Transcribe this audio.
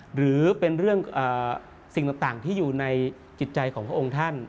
หรือเป็นเรื่องสิ่งต่างที่อยู่ในจิตใจของพระองค์ท่าน